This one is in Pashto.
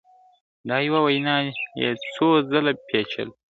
دا یوه وینا یې څو ځله پېچله !.